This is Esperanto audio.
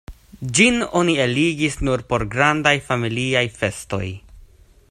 Ĝin oni eligis nur por grandaj familiaj festoj.